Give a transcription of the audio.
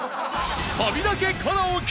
［サビだけカラオケ］